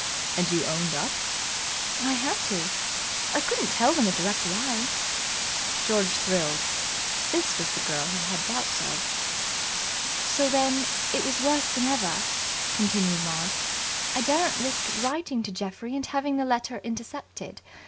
"And you owned up?" "I had to. I couldn't tell them a direct lie." George thrilled. This was the girl he had had doubts of. "So than it was worse then ever," continued Maud. "I daren't risk writing to Geoffrey and having the letter intercepted.